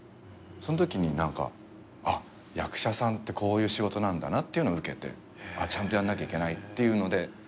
そんときに役者さんってこういう仕事なんだなっていうのを受けてちゃんとやんなきゃいけないっていうので。